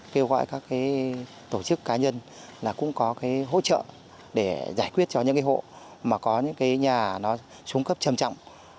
kêu gọi các cái tổ chức cá nhân là cũng có cái hỗ trợ để giải quyết cho những cái hộ mà có những cái nhà nó xuống cấp trầm trọng